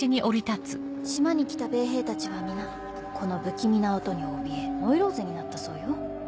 島に来た米兵たちは皆この不気味な音に怯えノイローゼになったそうよ。